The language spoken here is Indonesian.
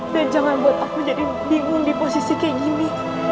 dan jangan buat aku jadi bingung di posisi kayak gini